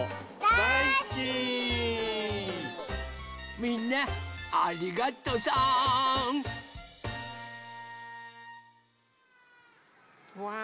みんなありがとさん！